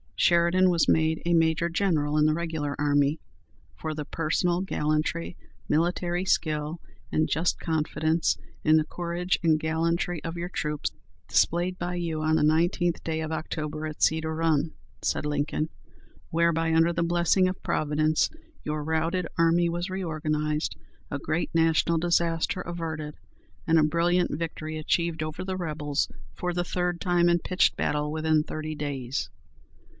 Sheridan was made a major general in the regular army "for the personal gallantry, military skill and just confidence in the courage and gallantry of your troops displayed by you on the 19th day of October at Cedar Run," said Lincoln, "whereby, under the blessing of Providence, your routed army was reorganized, a great national disaster averted, and a brilliant victory achieved over the rebels for the third time in pitched battle within thirty days."